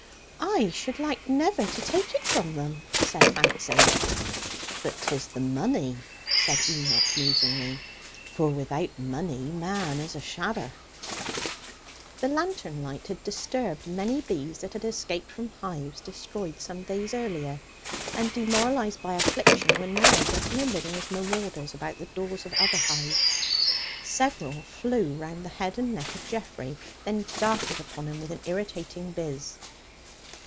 "I should like never to take it from them," said Fancy. "But 'tis the money," said Enoch musingly. "For without money man is a shadder!" The lantern light had disturbed many bees that had escaped from hives destroyed some days earlier, and, demoralized by affliction, were now getting a living as marauders about the doors of other hives. Several flew round the head and neck of Geoffrey; then darted upon him with an irritated bizz.